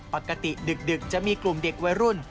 ปกติดึกจะมีกลุ่มเด็กวัยรุ่น